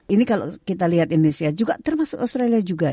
ini kalau kita lihat indonesia juga termasuk australia juga